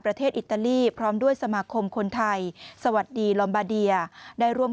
อิตาลีพร้อมด้วยสมาคมคนไทยสวัสดีลอมบาเดียได้ร่วม